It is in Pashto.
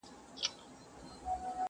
خره غوږونه ښوروله بې پروا وو!.